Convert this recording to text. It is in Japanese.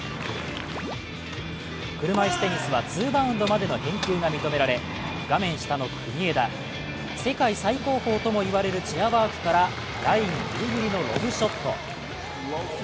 車いすテニスはツーバウンドまでの返球が認められ、画面下の国枝世界最高峰ともいわれるチェアワークからラインぎりぎりのロブショット。